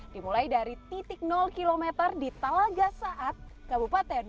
dimulai dari titik km di talaga saat kabupaten